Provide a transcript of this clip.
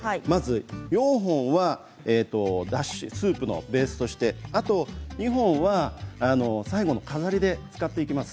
４本はスープのベースとしてあと２本は最後の飾りで使っていきます。